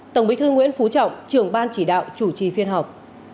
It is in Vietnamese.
tổng bí thư nguyễn phú trọng trưởng ban chỉ đạo chủ trì phiên họp